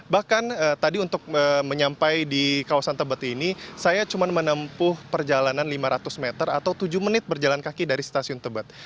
bahkan tadi untuk menyampai di kawasan tebet ini saya cuma menempuh perjalanan lima ratus meter atau tujuh menit berjalan kaki dari stasiun tebet